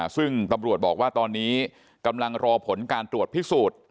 ซึ่งตำรวจบอกว่าตอนนี้กำลังรอผลการตรวจพิสูจน์